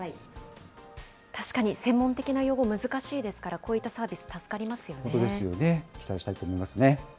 確かに専門的な用語、難しいですから、こういったサービス、本当ですよね。